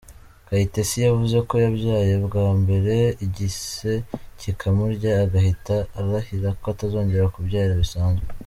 Kayitesi yavuze ko yabyaye bwa mbere igise kikamurya, agahita arahira ko atazongera kubyara bisanzwe.